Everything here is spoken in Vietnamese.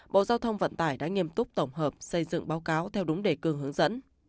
bộ giao thông vận tải đã nghiêm túc tổng hợp xây dựng báo cáo theo đúng đề cương hướng dẫn